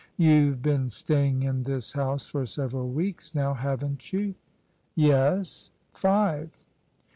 You've been staying in this house for several weeks now» haven't you ?" "Yes; five."